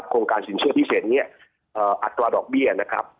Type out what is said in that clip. โครงการสินเชื่อพิเศษอัตราดอกเบี้ย๐๓๕